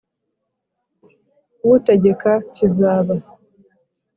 utegeka kiziba :